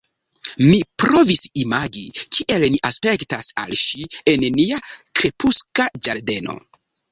Mi provis imagi, kiel ni aspektas al ŝi, en nia krepuska ĝardeno.